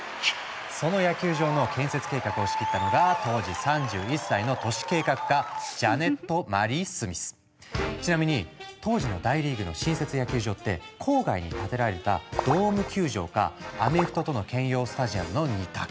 その野球場の建設計画を仕切ったのがちなみに当時の大リーグの新設野球場って郊外に建てられたドーム球場かアメフトとの兼用スタジアムの２択。